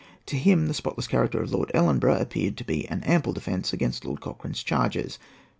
To him the spotless character of Lord Ellenborough appeared to be an ample defence against Lord Cochrane's charges.